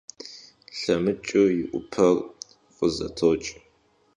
ЛъэмыкӀыу и Ӏупэр фӀызэтож.